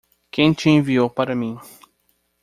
Quem te enviou para mim?